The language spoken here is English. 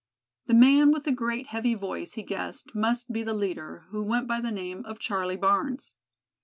The man with the great, heavy voice he guessed must be the leader, who went by the name of Charlie Barnes.